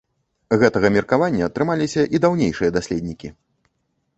Гэтага меркавання трымаліся і даўнейшыя даследнікі.